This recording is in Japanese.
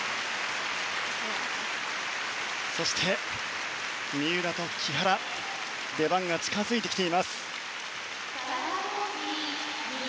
そして、三浦と木原出番が近づいてきています。